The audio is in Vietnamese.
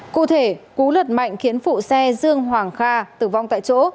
cụ thể cú lượt mạnh khiến phụ xe dương hoàng kha tử vong tại chỗ